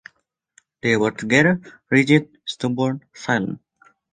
They were together, rigid, stubborn, silent.